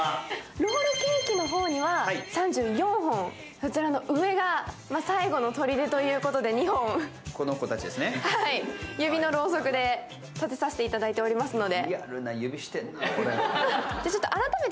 ロールケーキの方には３４本、上が最後のとりでということで、２本、指のろうそくで立てさせていただいてますので。